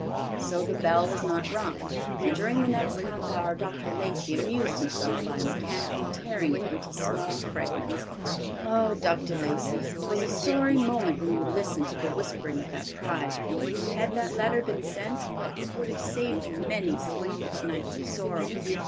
So the bell was not rung, and during the next half hour Dr. Lacey amused himself by mechanically tearing it into small fragments. Ah, Dr. Lacey, 'twas a sorry moment when you listened to the whispering of that pride! Had that letter been sent, it would have saved you many sleepless nights of sorrow.